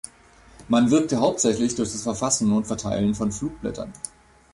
Man wirkte hauptsächlich durch das Verfassen und Verteilen von Flugblättern.